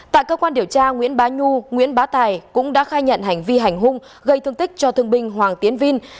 tại cơ quan điều tra nguyễn bá nhu nguyễn bá tài cũng đã khai nhận hành vi hành hung gây thương tích cho thương binh hoàng tiến vinh